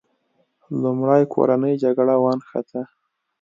لومړی کورنۍ جګړه ونښته.